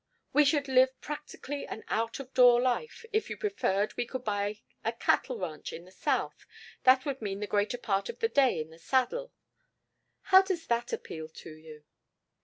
"We should live practically an out of door life if you preferred we could buy a cattle ranch in the south. That would mean the greater part of the day in the saddle "How does it appeal to you?"